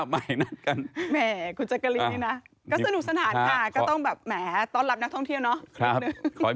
ที่สนชนะสงครามเปิดเพิ่ม